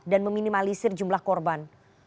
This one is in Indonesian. dan meminimalisir jumlah korban